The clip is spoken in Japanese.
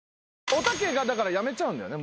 おたけがだからやめちゃうんだよね？